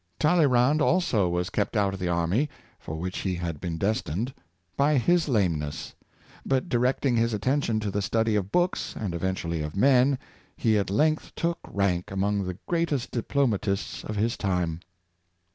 Talleyrand also was kept out of the army, for which he had been destined, by his lameness; but directing his attention to the study of books, and eventually of men, he at length took rank among the greatest diplomatists of his time.